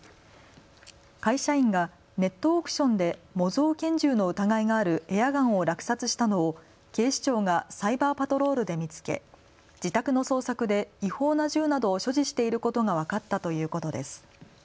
会社員がネットオークションで模造拳銃の疑いがあるエアガンを落札したのを警視庁がサイバーパトロールで見つけ自宅の捜索で違法な銃などを所持していることが分かったということです。